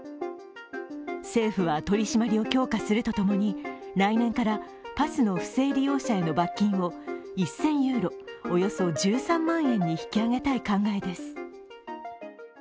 政府は取締りを強化するとともに、来年からパスの不正利用者への罰金を１０００ユーロ、およそ１３万円に引き上げたい考えです。